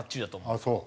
ああそう。